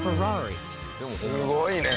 すごいね。